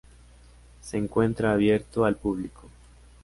Se encuentra abierto al público.